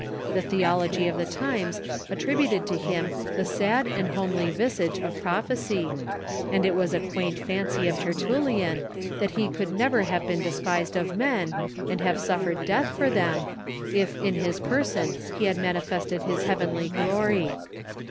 The theology of the times attributed to him the sad and homely visage of proph 78 THE EARLY CHURCH ecy,* and it is a quaint fancy of Tertullian that he could never have been despised of men, and have suffered death for them, if in his person lie had manifested his heavenly glory.